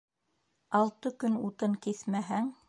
Алты көн утын киҫмәһәң